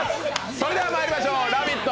それではまいりましょう、「ラヴィット！」